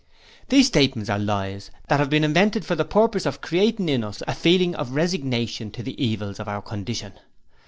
'These statements are lies that have been invented for the purpose of creating in us a feeling of resignation to the evils of our condition.